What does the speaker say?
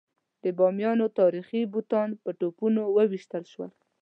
د بامیانو تاریخي بوتان په توپونو وویشتل شول.